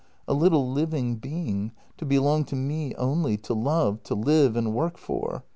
A little living being, to belong to me only, to love, to live and work for.